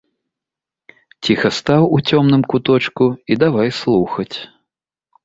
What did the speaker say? Ціха стаў у цёмным куточку і давай слухаць.